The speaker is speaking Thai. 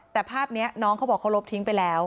แต่ภาพนี้น้องเขาบอกเขาลบทิ้งไปแล้ว